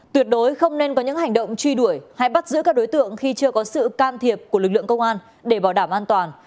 tuyệt đối không nên có những hành động truy đuổi hay bắt giữ các đối tượng khi chưa có sự can thiệp của lực lượng công an để bảo đảm an toàn